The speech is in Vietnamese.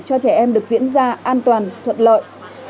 cho trẻ em được diễn ra an toàn thuận lợi